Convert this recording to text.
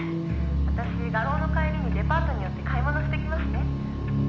「私画廊の帰りにデパートに寄って買い物してきますね」